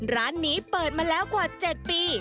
ร้านนี้เปิดมาแล้วกว่า๗ปี